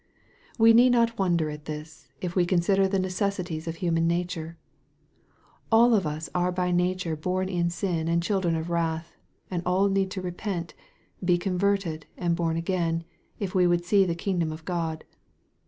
We need not wonder at this, if we consider the ne cessities of human nature. All of us are by nature born in sin and children of wrath, and all need to repent, be converted, and born again, if we would see the kingdom of God.